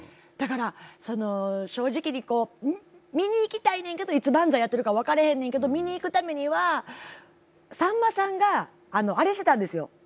だからその正直にこう見に行きたいねんけどいつ漫才やってるか分かれへんねんけど見に行くためにはさんまさんがあのあれしてたんですよ。